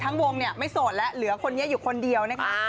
วงเนี่ยไม่โสดแล้วเหลือคนนี้อยู่คนเดียวนะคะ